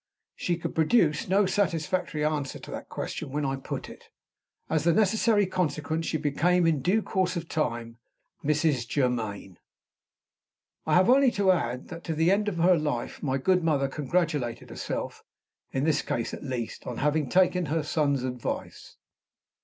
She could produce no satisfactory answer to that question when I put it. As the necessary consequence, she became, in due course of time, Mrs. Germaine. I have only to add that, to the end of her life, my good mother congratulated herself (in this case at least) on having taken her son's advice.